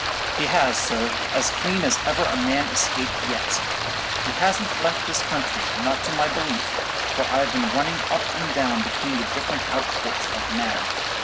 "He has, sir; as clean as ever a man escaped yet. He hasn't left this country, not to my belief, for I've been running up and down between the different outports like mad.